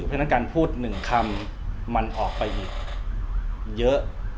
เพราะฉะนั้นการพูดหนึ่งคำมันออกไปอีกเยอะ